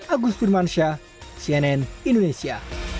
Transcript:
agus firmansyah cnn indonesia